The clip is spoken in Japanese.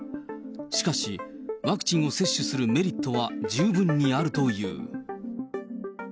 しかし、ワクチンを接種するメリットは十分にあるという。